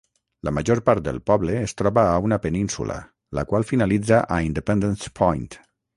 La major part del poble es troba a una península, la qual finalitza a Independence Point.